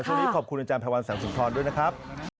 ช่วงนี้ขอบคุณอาจารย์พระวันแสงสุนทรด้วยนะครับ